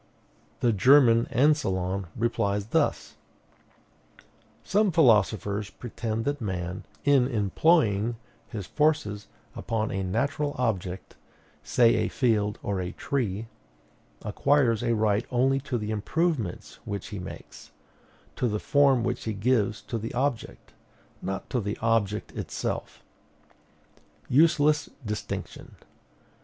The German Ancillon replies thus: "Some philosophers pretend that man, in employing his forces upon a natural object, say a field or a tree, acquires a right only to the improvements which he makes, to the form which he gives to the object, not to the object itself. Useless distinction!